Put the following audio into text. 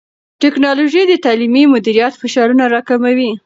ټیکنالوژي د تعلیمي مدیریت فشارونه راکموي.